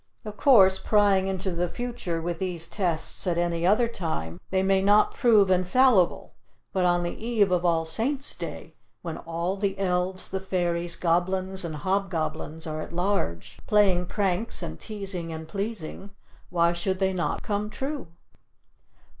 Of course, prying into the future with these tests at any other time, they may not prove infallible, but on the Eve of All Saint's Day, when all the elves, the fairies, goblins and hobgoblins are at large playing pranks and teasing and pleasing, why should they not "come true."